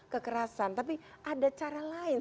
kekerasan tapi ada cara lain